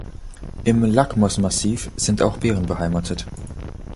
Im Lakmos-Massiv sind auch Bären beheimatet.